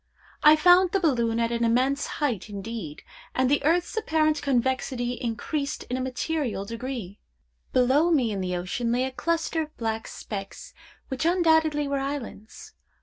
I found the balloon at an immense height indeed, and the earth's apparent convexity increased in a material degree. Below me in the ocean lay a cluster of black specks, which undoubtedly were islands.